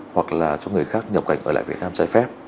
hoặc là cho người khác nhập cảnh ở lại việt nam trái phép